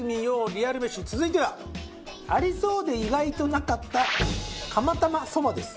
リアルメシ続いてはありそうで意外となかった釜玉そばです。